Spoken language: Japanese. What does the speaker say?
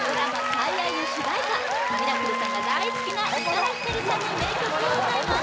「最愛」の主題歌ミラクルさんが大好きな宇多田ヒカルさんの名曲を歌います